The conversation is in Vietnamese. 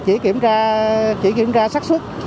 chỉ kiểm tra sát xuất